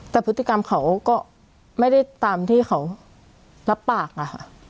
แต่พฤติกรรมเขาก็ไม่ได้ตามที่เขารับปากอะค่ะ